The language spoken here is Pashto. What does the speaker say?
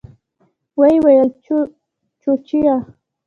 ويې ويل چوچيه.